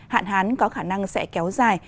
hạn hán có khả năng sẽ kéo dài